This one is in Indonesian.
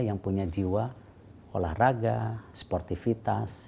yang punya jiwa olahraga sportivitas